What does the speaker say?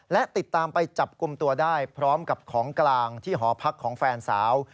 และติดตามไปจับกลุ่มตัวได้พร้อมกับของกลางที่หอพักของแฟนสาว